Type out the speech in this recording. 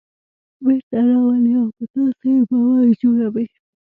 بېرته راولي او په تاسې یې باور جوړوي.